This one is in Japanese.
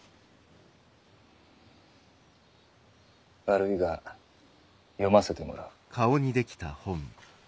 悪いが読ませてもらう。